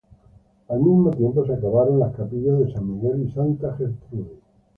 Al mismo tiempo se acabaron las capillas de San Miguel y Santa Gertrudis.